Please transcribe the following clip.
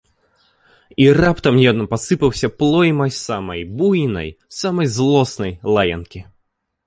І раптам ён пасыпаўся плоймай самай буйнай, самай злоснай лаянкі.